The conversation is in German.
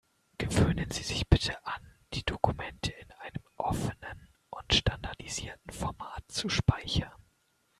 Gewöhnen Sie sich bitte an, die Dokumente in einem offenen und standardisierten Format zu speichern.